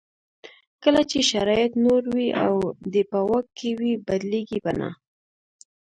کله چې شرایط نور وي او دی په واک کې وي بدلېږي به نه.